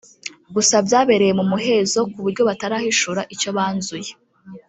gusa byabereye mu muhezo ku buryo batarahishura icyo banzuye